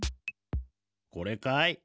これかい？